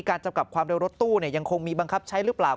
จำกัดความเร็วรถตู้ยังคงมีบังคับใช้หรือเปล่า